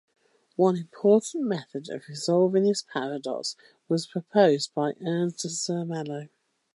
One important method of resolving this paradox was proposed by Ernst Zermelo.